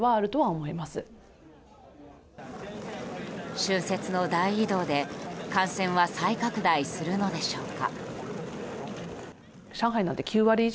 春節の大移動で感染は再拡大するのでしょうか。